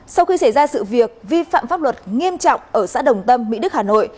sau khi xảy ra sự việc vi phạm pháp luật nghiêm trọng ở xã đồng tâm mỹ đức hà nội